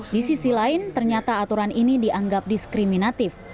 di sisi lain ternyata aturan ini dianggap diskriminatif